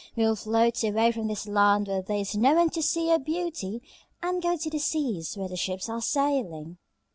We will float away from this land where there is no one to see your beauty and go to the seas where the ships are sailing.